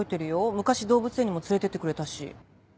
昔動物園にも連れてってくれたし。